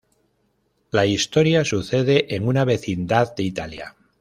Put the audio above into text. La historia sucede en una vecindad de Italia.